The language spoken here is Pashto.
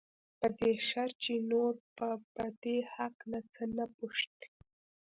په دې شرط چې نور به په دې هکله څه نه پوښتې.